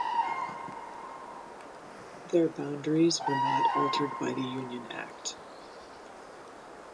Their boundaries were not altered by the "Union Act".